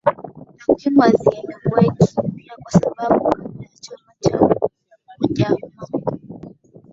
Takwimu hazieleweki pia kwa sababu kabla ya chama cha ujamaa